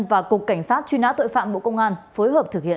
và cục cảnh sát truy nã tội phạm bộ công an phối hợp thực hiện